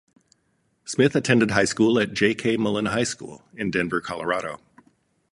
Smith attended high school at J. K. Mullen High School in Denver, Colorado.